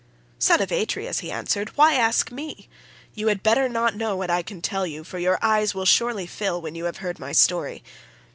"'Son of Atreus,' he answered, 'why ask me? You had better not know what I can tell you, for your eyes will surely fill when you have heard my story.